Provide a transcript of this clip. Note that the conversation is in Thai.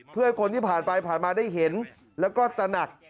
เพื่อให้คนที่ผ่านไปผ่านมาได้เห็นแล้วก็ตระหนัก